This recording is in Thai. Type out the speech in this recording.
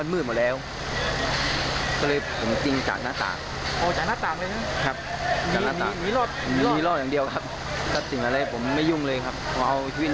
ชุดดีชุดดีผมรู้ทางข้างบนว่าไปทางไหนว่ามันมืดหมดแล้ว